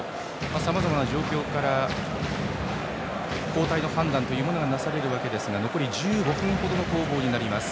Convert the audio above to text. さまざまな状況から交代の判断がなされるわけですが残り１５分程の攻防になります。